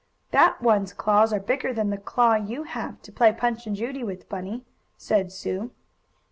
"That one's claws are bigger than the claw you have, to play Punch and Judy with, Bunny," said Sue.